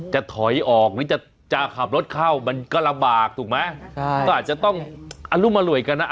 จะถอยออกหรือจะจะขับรถเข้ามันก็ลำบากถูกไหมใช่ก็อาจจะต้องอรุมอร่วยกันนะ